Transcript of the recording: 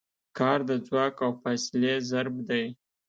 کار د ځواک او فاصلې ضرب دی.